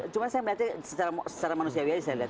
cuma saya melihatnya secara manusiawi saya lihat